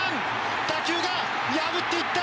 打球が破っていった！